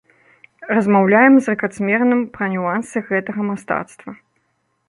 Размаўляем з рэкардсменам пра нюансы гэтага мастацтва.